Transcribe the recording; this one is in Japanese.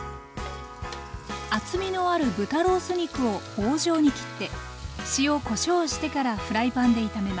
厚みのある豚ロース肉を棒状に切って塩こしょうをしてからフライパンで炒めます。